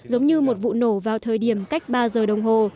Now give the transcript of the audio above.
giống như một vụ nổ vào thời điểm cách ba giờ đồng hồ